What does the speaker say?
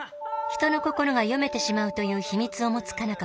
人の心が読めてしまうという秘密を持つ佳奈